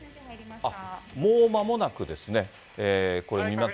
あっ、もうまもなくですね。